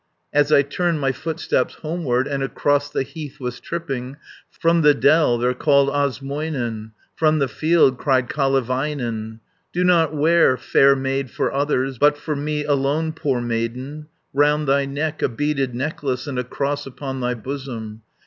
90 As I turned my footsteps homeward, And across the heath was tripping, From the dell there called Osmoinen, From the field cried Kalevainen, "Do not wear, fair maid, for others, But for me alone, poor maiden, Round thy neck a beaded necklace, And a cross upon thy bosom.